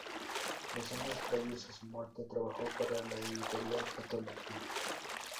Los años previos a su muerte trabajó para la editorial católica "St.